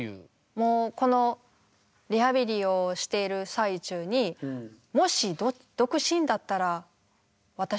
もうこのリハビリをしている最中にもし独身だったら私どうなってたかなって。